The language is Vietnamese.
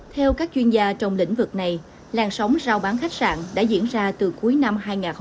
theo các chuyên gia trong lĩnh vực này làn sóng giao bán khách sạn đã diễn ra từ cuối năm hai nghìn hai mươi ba